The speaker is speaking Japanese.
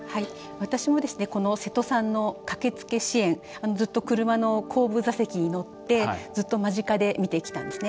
私もこの瀬戸さんの駆けつけ支援、ずっと車の後部座席に乗ってずっと間近で見てきたんですね。